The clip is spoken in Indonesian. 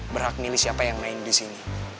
berhak milih siapa yang main di sini